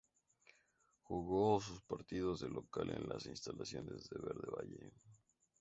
Jugó sus partidos de local en las instalaciones de Verde Valle.